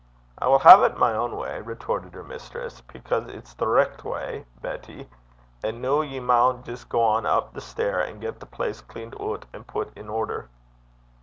'I wull hae 't my ain gait,' retorted her mistress, 'because it's the richt gait, Betty. An' noo ye maun jist gang up the stair, an' get the place cleant oot an' put in order.'